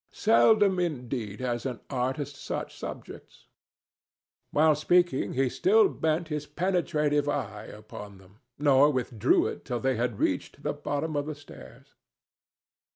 Seldom indeed has an artist such subjects." While speaking he still bent his penetrative eye upon them, nor withdrew it till they had reached the bottom of the stairs.